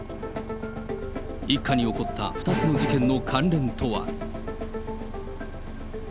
一家に起こった２つの事件の関連とは。